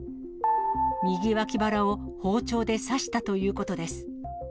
右脇腹を包丁で刺したということです。